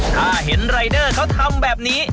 ถ้าเห็นรายเดอร์เขาทำแบบนี้